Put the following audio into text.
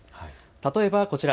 例えばこちら。